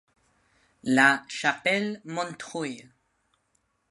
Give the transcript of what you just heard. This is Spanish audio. La Chapelle-Montreuil